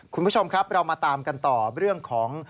คุณผู้ชมครับเรามาตามกันต่อเรื่องของ